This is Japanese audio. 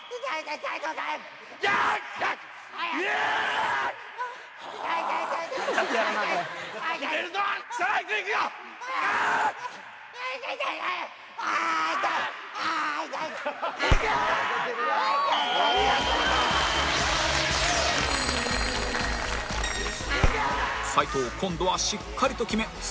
斉藤今度はしっかりと決め先制